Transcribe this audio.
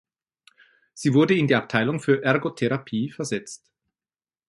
Sie wurde in die Abteilung für Ergotherapie versetzt.